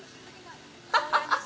ハハハハ。